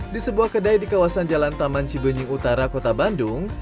di sebuah kedai di kawasan jalan taman cibenying utara kota bandung